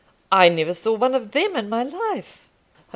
"I never saw one of them in my life."